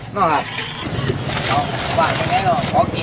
น้องหัก